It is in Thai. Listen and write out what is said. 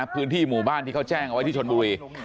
พื้นที่หมู่บ้านที่เขาแจ้งเอาไว้ที่ชนบุรี